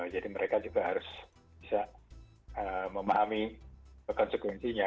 jadi mereka juga harus bisa memahami konsekuensinya